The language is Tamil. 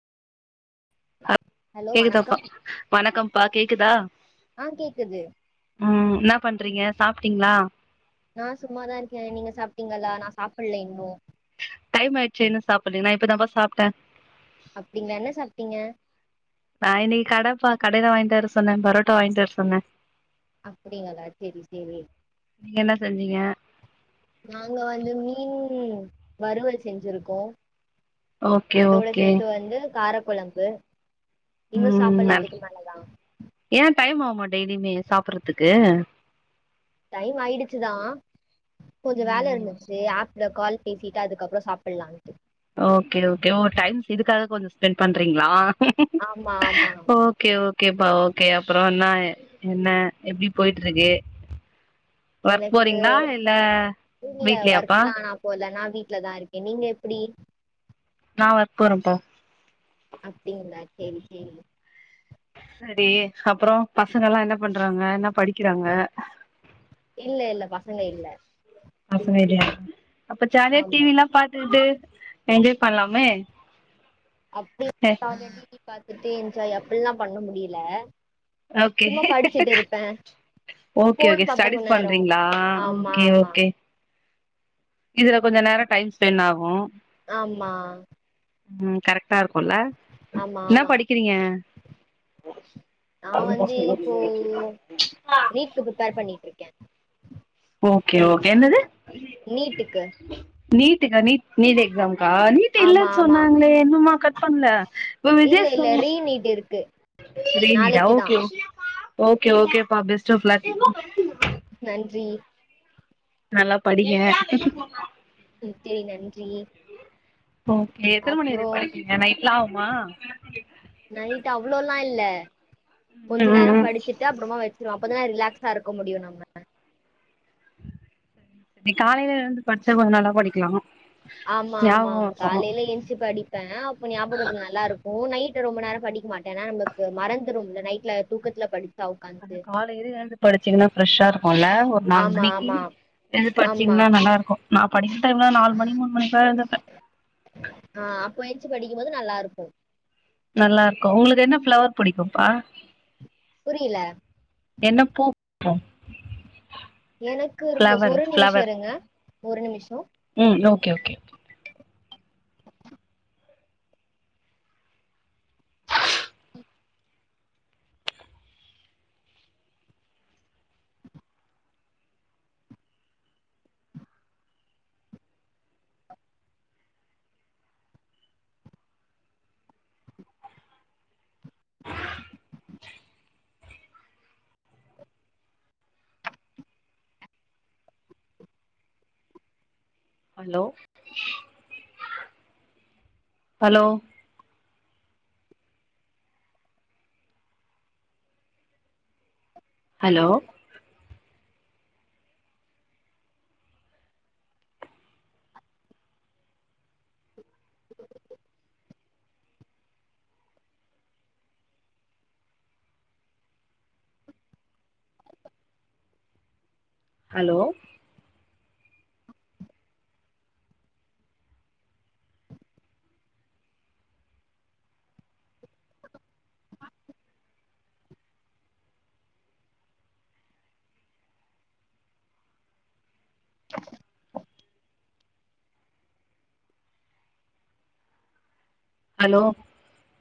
அ ஹலோ கேக்குதாப்பா வணக்கம் வணக்கம்ப்பா கேக்குதா ஆ கேக்குது ம் என்னா பண்றீங்க சாப்டீங்ளா நா சும்மாதா இருக்கே நீங்க சாப்டீங்களா நா சாப்பில்ல இன்னு டைம் ஆயிச்சே இன்னம் சாப்பல்லயா நா இப்பதாம்ப்பா சாப்டே அப்டிங்ளா என்ன சாப்டீங்க நா இன்னைக்கி கடப்பா கடையில வாங்கிட்டு வர சொன்னே பரோட்டா வாங்கிட் வர சொன்னே அப்படிங்களா சேரி சேரி நீங்க என்ன செஞ்சீங்க நாங்க வந்து மீன் வறுவல் செஞ்சிருக்கோ ஓகே அதோட ஓகே சேத்து வந்து காரக்கொழம்பு இன்னு உம் சாப்பட்ல நல் இதுக்கு மேலதா ஏ டைம் ஆவுமா டெய்லியுமே சாப்பற்றதுக்கு டைம் ஆயிடுச்சுதா கொஞ்சோ வேல இருந்துச்சு ஆப்ல கால் பேசிட்டு அதுக்கப்றோ சாப்புட்லான்ட்டு ஓக்கே ஓக்கே ஓ டைம் இதுக்காக கொஞ்சோ ஸ்பெண்ட் பண்றீங்ளா ஆமா ஆமா ஓக்கே ஓக்கேப்பா ஓக்கே அப்றோ என்ன என்ன எப்டி போயிட்ருக்கு எனக்கு இல்ல வீட்லயாப்பா ஒர்க்லா நா போல நா வீட்லதா இருக்கே நீங்க எப்டி நா ஓர்க் போறேபா அப்டிங்ளா சேரி சேரி சரி அப்றோ பசங்கல்லா என்ன பண்றாங்க என்ன படிக்கிறாங்க இல்ல இல்ல பசங்க இல்ல பசங்க இல்லையா அப்ப ஜாலியா டி ஆமா வி ல்லா பாத்துகிட்டு என்ஜாய் பண்லாமே அப்டி ஹ [inaudible] டி வி பாத்துட்டு என்ஜாய் அப்பில்லா பண்ண முடியல ஓகே சும்மா படிச்சிட்டு இருப்பே ஓகே ஃபோன் ஓகே பாப்பே ஸ்டடிஸ் கொன் நேரோ பண்றீங்களா ஆமா ஓகே ஆமா ஓகே இதுல கொஞ்ச நேரம் டைம் ஸ்பென்னாகு ஆமா ம் கரெக்டா இருக்குல்ல ஆமா என்னா ஆமா படிக்கிறீங்க நா வந்து [unintelligible] க்கு பிரிப்பேர் பண்ணிட்ருக்கே ஓக்கே ஓக்கே என்னது நீட்டுக்கு நீட்டுக்கா நீ் நீடு எக்ஸாம் க்கா நீட்டு ஆமா இல்லன் ஆமா சொன்னாங்ளே இன்னுமா கட் பண்ல ப்ப இல்ல விஜய் சொ இல்ல ரீ நீட் இருக்கு [unintelligible] நாளைக்குதா ஓக்கே ஓ ஓக்கே ஓக்கேப்பா பெஸ்ட் ஆஃப் லக் நன்றி நல்லா படிங்க [unintelligible] நன்றி ஓகே எத்தன மணி அப்றோ வரையு படிப்பீங்க நைட்லா ஆவுமா நைட்டு அவ்ளோலா இல்ல கொஞ்ச ம் ம் நேர ம் படிச்சுட்டு அப்றமா வெச்சிருவ அப்பதா ரிலாக்ஸ்டா இருக்க முடியு நம்ம நீ காலையில எழுந்து படிச்சா கொஞ்ச நல்லா படிக்லா ஆமா ஆமா காலையில ஏஞ்ச்சி படி ப்ப அப்ப ஞாபகத்துல நல்லா இருக்கு நைட்டு ரொம்ப நேர படிக்க மாட்ட ஏன்னா நமக்கு மறந்துரும்ல நைட்ல தூக்கத்துல படி ஆனா காலையில எழுந்து படிச்சீங்னா ஃப்ரெஷ்ஷா இருக்குல்ல ஒரு நாலு ஆமா, மணிக்கி ஆமா, எழுந்து ஆமா. படிச்சீங்ன்னா நல்லா இருக்கு நா படிக்கிற டைம்ல நாலு மணி மூனு மணிக்லா எழுந்துப்ப ஆ அப்ப எஞ்ச்சி படிக்கும்போது நல்லா இருக்கு நல்லா இருக்கு உங்களுக்கு என்ன ஃப்ளவர் புடிக்கும்ப்பா புரில என்ன [inaudible] எனக்கு ஃப்ளவர் ஒரு நிமிஷோ ஃப்ளவர் இருங்க ஒரு நிமிஷோ ம் okay okay hello hello hello hello hello